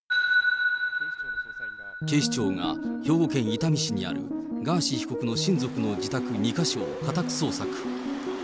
警視庁が兵庫県伊丹市にあるガーシー被告の親族の自宅２か所を家宅捜索。